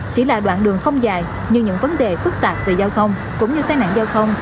chỉ là đoạn đường không dài nhưng những vấn đề phức tạp về giao thông cũng như tai nạn giao thông